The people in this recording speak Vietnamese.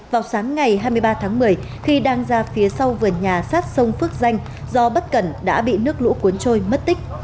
vào sáng ngày hai mươi ba tháng một mươi khi đang ra phía sau vườn nhà sát sông phước danh do bất cẩn đã bị nước lũ cuốn trôi mất tích